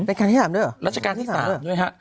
ราชการที่๓ด้วยหรอ